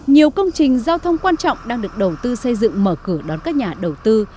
nhiều công trình giao thông quan trọng đang được đầu tư xây dựng mở cửa đón các nhà đầu tư